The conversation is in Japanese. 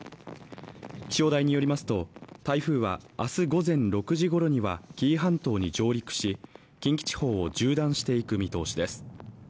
気象台によりますと、台風は明日午前６時ごろには紀伊半島に上陸し近畿地方を縦断していく見通しです。